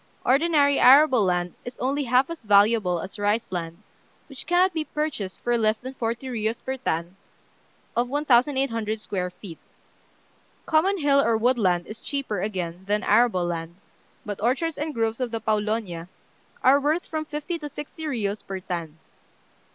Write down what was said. Ordinary arable land is only half as valuable as rice land, which cannot be purchased for less than forty riyos per tan of 1,800 square feet. Common hill or wood land is cheaper, again, than arable land; but orchards and groves of the Pawlonia are worth from fifty to sixty riyos per tan.